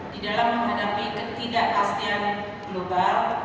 di dalam menghadapi ketidakpastian global